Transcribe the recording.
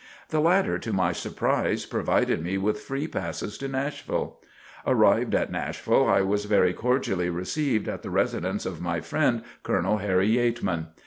The latter, to my surprise, provided me with free passes to Nashville. Arrived at Nashville, I was very cordially received at the residence of my friend, Colonel Harry Yeatman.